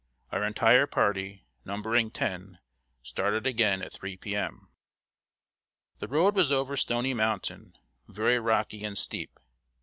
Our entire party, numbering ten, started again at 3 p.m. The road was over Stony Mountain, very rocky and steep.